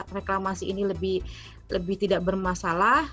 jadi reklamasi ini lebih tidak bermasalah